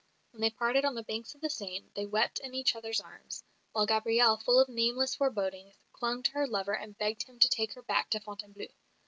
When they parted on the banks of the Seine they wept in each other's arms, while Gabrielle, full of nameless forebodings, clung to her lover and begged him to take her back to Fontainebleau.